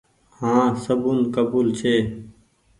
هآن سبون ڪبول ڇي۔